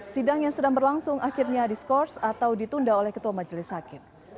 sidang yang sedang berlangsung akhirnya diskors atau ditunda oleh ketua majelis hakim